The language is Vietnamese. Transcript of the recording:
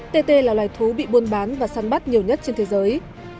tê tê là loài thú bị buôn bán và săn bắt nhiều nhất trên thế giới